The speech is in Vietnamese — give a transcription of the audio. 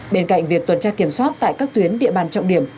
bên cạnh việc tuần tra kiểm soát tại các tuyến địa bàn trọng điểm